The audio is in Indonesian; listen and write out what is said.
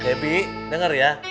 debi denger ya